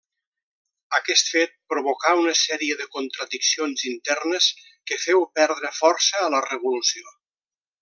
Aquest fet provocà una sèrie de contradiccions internes que féu perdre força a la revolució.